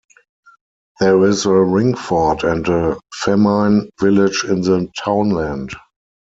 There is a ringfort and a famine village in the townland.